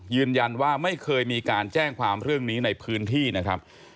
ไม่เคยมีการแจ้งความเรื่องนี้ในพื้นที่นะครับ